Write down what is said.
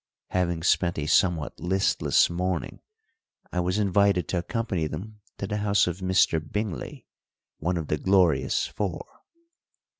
Having spent a somewhat listless morning, I was invited to accompany them to the house of Mr. Bingley, one of the Glorious Four.